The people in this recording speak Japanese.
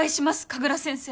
神楽先生！